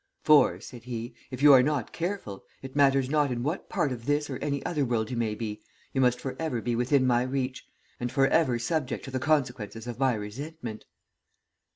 "'For,' said he, 'if you are not careful, it matters not in what part of this or any other world you may be, you must forever be within my reach, and forever subject to the consequences of my resentment.'